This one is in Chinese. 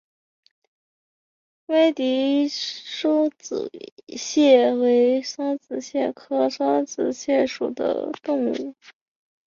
威迪梭子蟹为梭子蟹科梭子蟹属的动物。